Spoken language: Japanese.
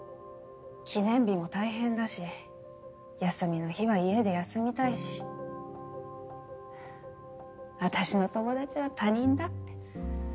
記念日も大変だし休みの日は家で休みたいしあたしの友達は他人だって。